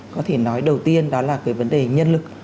có thể nói đầu tiên đó là cái vấn đề nhân lực